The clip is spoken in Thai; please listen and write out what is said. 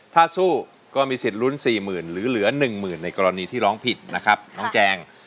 ถ้าสู้ก็มีสิทธิ์ลุ้น๔๐๐๐หรือเหลือ๑หมื่นในกรณีที่ร้องผิดนะครับน้องแจง